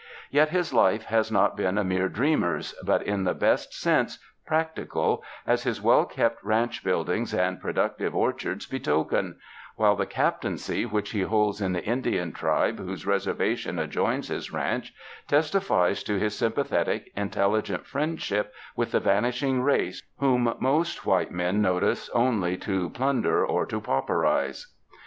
Yet his life has not been a mere dreamer's, but, in the best sense, prac tical, as his well kept ranch buildings and produc tive orchards betoken ; while the captaincy which he holds in the Indian tribe whose reservation adjoins his ranch, testifies to his sympathetic, intelligent friendship with the vanishing race whom most white men notice only to plunder or to pauperize.